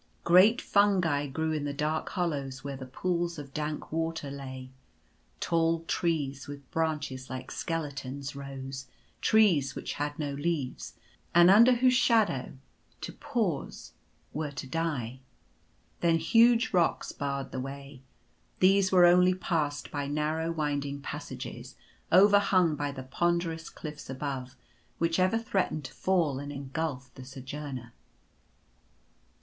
Great fungi grew in the dark hollows where the pools of dank water lay. Tall trees, with branches like skele tons, rose — trees which had no leaves, and under whose shadow to pause were to die. Then huge rocks barred the way. These were only passed by narrow, winding passages, overhung by the ponderous cliffs above, which ever threatened to fall and engulph the Sojourner.